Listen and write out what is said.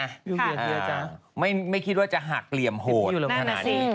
เยอะจ๊ะไม่คิดว่าจะหักเหลี่ยมโหดนั่นน่ะสิ